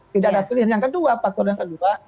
tidak ada pilihan yang kedua faktor yang kedua